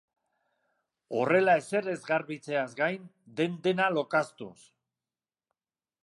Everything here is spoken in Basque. Horrela ezer ez garbitzeaz gain, den-dena lokaztuz.